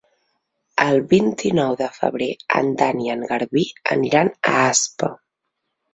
El vint-i-nou de febrer en Dan i en Garbí aniran a Aspa.